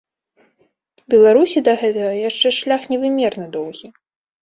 Беларусі да гэтага яшчэ шлях невымерна доўгі.